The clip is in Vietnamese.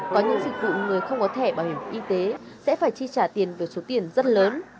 có những dịch vụ người không có thẻ bảo hiểm y tế sẽ phải chi trả tiền về số tiền rất lớn